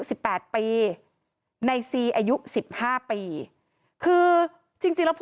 สิบแปดปีในซีอายุสิบห้าปีคือจริงจริงแล้วผู้